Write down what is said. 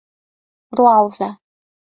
Руалза!